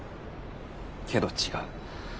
けど違う。